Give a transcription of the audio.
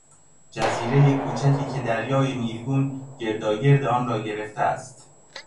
جزیرهی کوچکی که دریای نیلگون گرداگرد آن را گرفته است